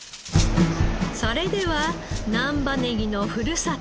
それでは難波ネギのふるさと